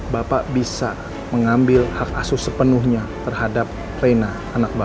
bapak bisa mengambil hak asus sepenuhnya terhadap reina anak bapak